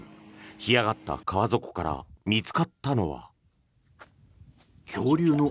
干上がった川底から見つかったのは。